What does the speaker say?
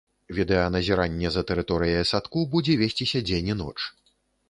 Відэаназіранне за тэрыторыяй садку будзе весціся дзень і ноч.